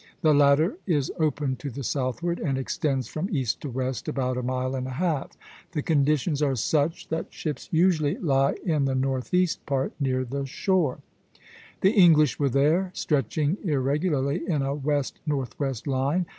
The latter is open to the southward, and extends from east to west about a mile and a half; the conditions are such that ships usually lie in the northeast part, near the shore (Plate XIII). The English were there, stretching irregularly in a west northwest line.